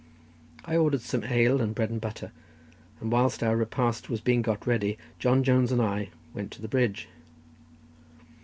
I ordered some ale and bread and butter, and whilst our repast was being got ready, John Jones and I went to the bridge.